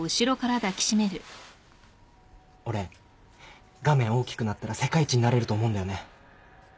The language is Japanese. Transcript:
俺画面大きくなったら世界一になれると思うんだよね。